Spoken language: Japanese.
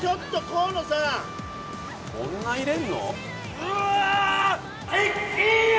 こんな入れるの？